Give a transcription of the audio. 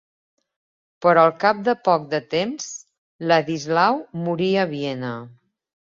Però al cap de poc de temps Ladislau morí a Viena.